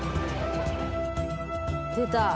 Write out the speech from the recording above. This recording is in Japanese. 出た！